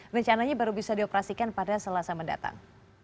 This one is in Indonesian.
rencananya baru bisa dioperasikan pada selasa mendatang